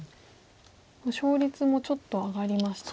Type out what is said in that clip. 勝率もちょっと上がりましたね。